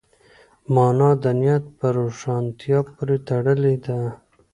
مانا د نیت په روښانتیا پورې تړلې ده.